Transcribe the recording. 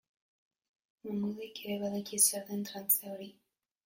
Mahmudek ere badaki zer den trantze hori.